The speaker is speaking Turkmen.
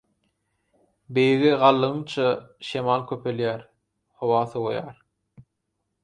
Beýige galdygyňça şemal köpelýär, howa sowaýar.